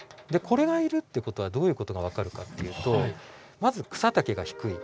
これがいるっていうことはどういうことが分かるかっていうとまず草丈が低い。